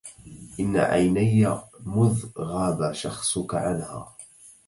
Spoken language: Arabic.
إن عيني مذ غاب شخصك عنها